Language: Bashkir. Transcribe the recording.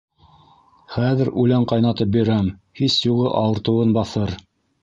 Хәҙер үлән ҡайнатып бирәм, һис юғы ауыртыуын баҫыр.